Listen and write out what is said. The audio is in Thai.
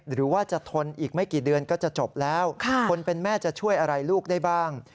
หรือว่าจะทนอีกไม่กี่เดือนก็จะจบแล้วคนเป็นแม่จะช่วยอะไรลูกได้บ้าง